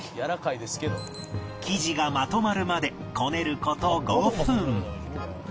生地がまとまるまでこねる事５分